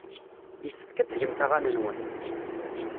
Yessefk ad tgemt aɣan-nwent.